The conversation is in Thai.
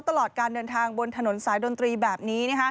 ตลอดการเดินทางบนถนนสายดนตรีแบบนี้